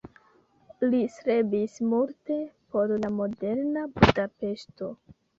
Li strebis multe por la moderna Budapeŝto.